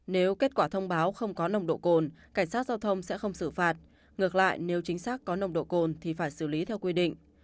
nếu kết quả thông báo không có nồng độ cồn cảnh sát giao thông sẽ không xử phạt ngược lại nếu chính xác có nồng độ cồn thì phải xử lý theo quy định